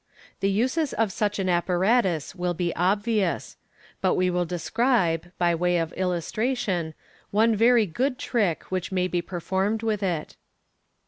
The uses of such an apparatus will be obvious ; but we will describe, by way of illustration, one very good trick which may be performed with it.